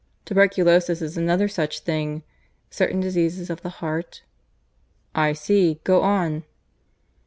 Tuberculosis is another such thing; certain diseases of the heart " "I see. Go on."